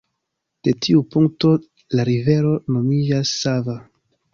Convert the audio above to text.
De tiu punkto la rivero nomiĝas Sava.